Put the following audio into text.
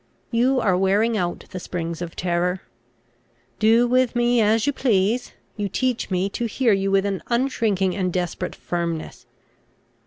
You are wearing out the springs of terror. Do with me as you please; you teach me to hear you with an unshrinking and desperate firmness.